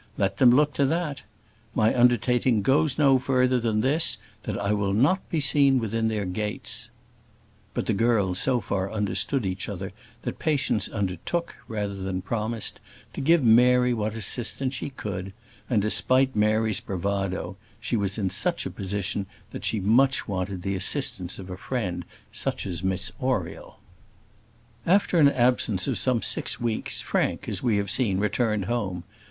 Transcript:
Let them look to that. My undertaking goes no further than this, that I will not be seen within their gates." But the girls so far understood each other that Patience undertook, rather than promised, to give Mary what assistance she could; and, despite Mary's bravado, she was in such a position that she much wanted the assistance of such a friend as Miss Oriel. After an absence of some six weeks, Frank, as we have seen, returned home.